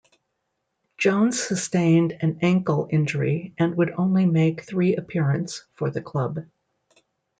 Jones sustained an ankle injury and would only make three appearance for the club.